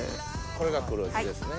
これが黒酢ですね。